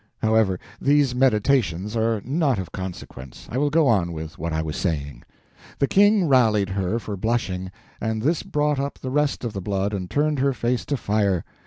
However, these meditations are not of consequence: I will go on with what I was saying. The King rallied her for blushing, and this brought up the rest of the blood and turned her face to fire.